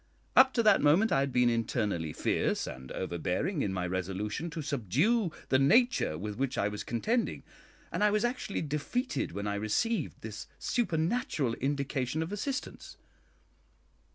Up to that moment I had been internally fierce and overbearing in my resolution to subdue the nature with which I was contending, and I was actually defeated when I received this supernatural indication of assistance.